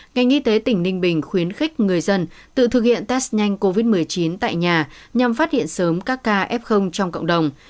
ngành y tế tỉnh ninh bình khuyến khích người dân tự thực hiện test nhanh covid một mươi chín tại nhà nhằm phát hiện sớm các ca f trong cộng đồng